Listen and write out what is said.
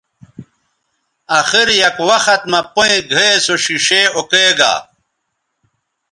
اخر یک وخت مہ پئیں گھئے سو ݜیݜے اوکیگا